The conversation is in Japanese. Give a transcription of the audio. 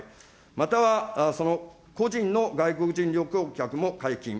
または、その個人の外国人旅行客も解禁。